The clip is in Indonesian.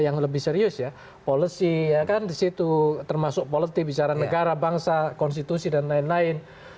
yang lebih serius ya policy ya kan di situ termasuk politik bicara negara bangsa konstitusi dan lain lain